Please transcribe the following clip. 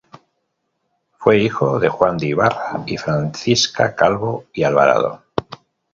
Fue hijo de Juan de Ibarra y Francisca Calvo y Alvarado.